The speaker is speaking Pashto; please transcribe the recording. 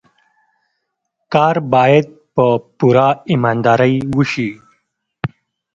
کار باید په پوره ایماندارۍ وشي.